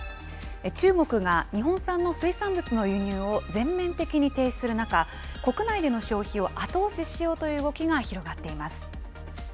中国が日本産の水産物の輸入を全面的に停止する中、国内での消費を後押ししようという動きが広がっています。